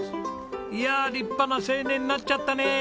いやあ立派な青年になっちゃったね。